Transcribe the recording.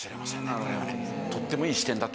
これがね。